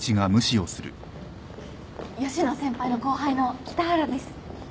吉野先輩の後輩の北原です。